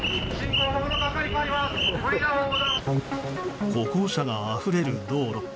歩行者があふれる道路。